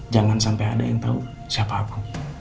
jangan sampai ada yang tahu siapa apa